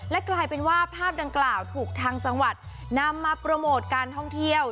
กลายเป็นว่าภาพดังกล่าวถูกทางจังหวัดนำมาโปรโมทการท่องเที่ยว